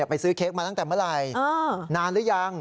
ไปซื้อเค้กมาตั้งแต่เมื่อไหร่นานหรือยัง